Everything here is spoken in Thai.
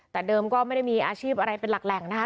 แต่เดิมก็ไม่ได้มีอาชีพอะไรเป็นหลักแหล่งนะคะ